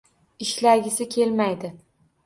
Ishlagisi kelmaydi